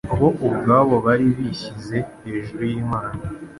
bo ubwabo bari bishyize hejuru y'Imana.